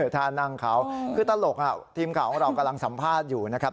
ท่านั่งเขาคือตลกทีมข่าวของเรากำลังสัมภาษณ์อยู่นะครับ